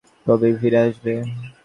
কবে ফিরে আসবে?